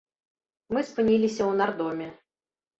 Мы спыніліся ў нардоме.